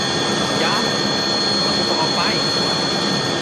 ยาม เอาตัวเขาออกไป !